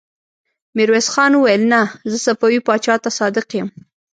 ميرويس خان وويل: نه! زه صفوي پاچا ته صادق يم.